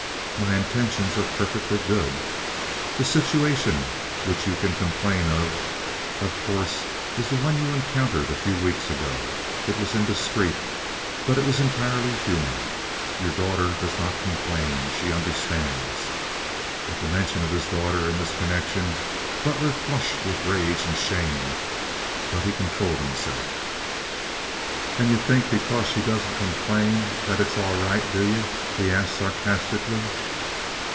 My intentions are perfectly good. The situation which you can complain of, of course, is the one you encountered a few weeks ago. It was indiscreet, but it was entirely human. Your daughter does not complain—she understands." At the mention of his daughter in this connection Butler flushed with rage and shame, but he controlled himself. "And ye think because she doesn't complain that it's all right, do ye?" he asked, sarcastically.